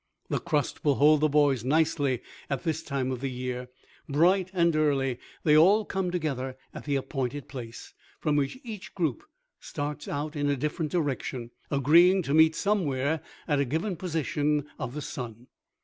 The crust will hold the boys nicely at this time of the year. Bright and early, they all come together at the appointed place, from which each group starts out in a different direction, agreeing to meet somewhere at a given position of the sun.